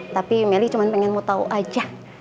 tapi meli cuma pengen mau tau aja